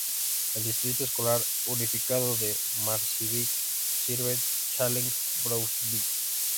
El Distrito Escolar Unificado de Marysville sirve Challenge-Brownsville.